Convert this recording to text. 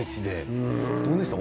どうでしたか？